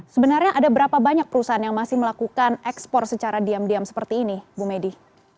sebenarnya ada berapa banyak perusahaan yang masih melakukan ekspor secara diam diam seperti ini bu medi